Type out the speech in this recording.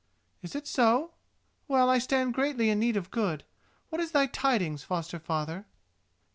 "Is it so? Well, I stand greatly in need of good. What is thy tidings, foster father?"